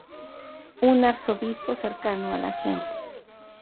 Un Arzobispo cercano a la gente.